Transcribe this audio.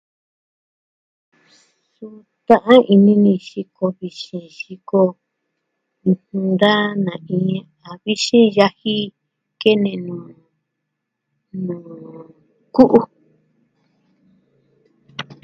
Suu, ta'an ini ni xiko vixin, xiko... ɨjɨn da na iña a vixin yaji kene nuu... nuu ku'u.